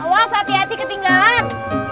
awas hati hati ketinggalan